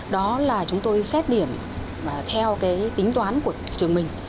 đó là chúng tôi xét điểm theo cái tính toán của trường mình